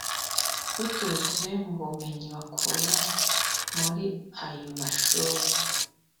biturutse mu bumenyi bakura muri ayo mashuri